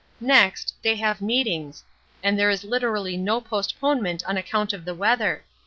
Next, they have meetings, and there is literally no postponement on account of the weather.